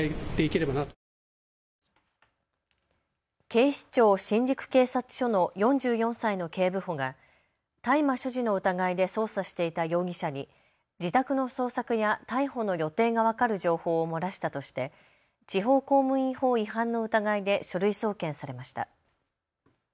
警視庁新宿警察署の４４歳の警部補が大麻所持の疑いで捜査していた容疑者に自宅の捜索や逮捕の予定が分かる情報を漏らしたとして地方公務員法違反の疑いで書類送検されました。